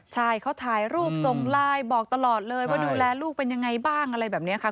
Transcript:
ใช่เขาถ่ายรูปส่งไลน์บอกตลอดเลยว่าดูแลลูกเป็นยังไงบ้างอะไรแบบนี้ค่ะ